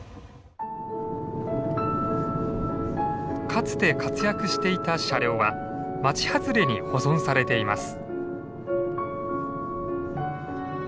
かつて活躍していた車両は町外れに保存されています。